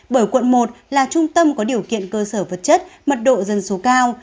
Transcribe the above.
bởi quận một là trung tâm có điều kiện cơ sở vật chất mật độ dân số cao